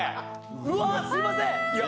うわっすいません！